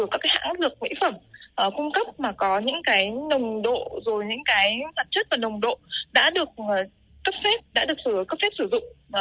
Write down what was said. các hãng dược mỹ phẩm cung cấp mà có những nồng độ sản chất và nồng độ đã được cấp phép sử dụng